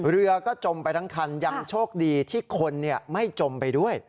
เรือก็จมไปทั้งคันยังโชคดีที่คนไม่จมไปด้วย